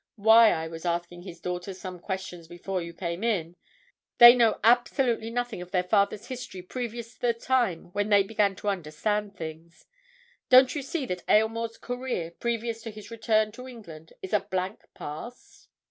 Why, I was asking his daughters some questions before you came in—they know absolutely nothing of their father's history previous to the time when they began to understand things! Don't you see that Aylmore's career, previous to his return to England, is a blank past!"